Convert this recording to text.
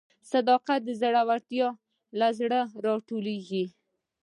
صداقت د زړورتیا له زړه راټوکېږي.